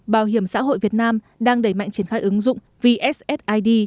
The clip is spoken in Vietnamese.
bảo hiểm xã hội việt nam đang đẩy mạnh triển khai ứng dụng vssid